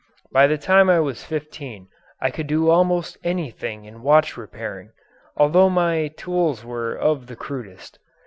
By the time I was fifteen I could do almost anything in watch repairing although my tools were of the crudest.